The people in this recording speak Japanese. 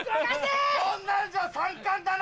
そんなんじゃ３冠だな！